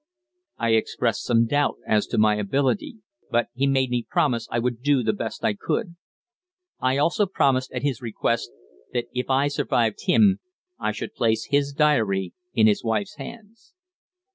I expressed some doubt as to my ability, but he made me promise I would do the best I could. I also promised, at his request, that if I survived him I should place his diary in his wife's hands.